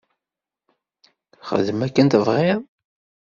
Xdem akken tebɣiḍ.